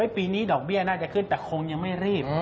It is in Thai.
ปีนี้ดอกเบี้ยน่าจะขึ้นแต่คงยังไม่รีบ